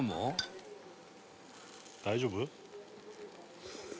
「大丈夫？」